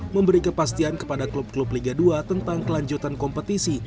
memberi kepastian kepada klub klub liga dua tentang kelanjutan kompetisi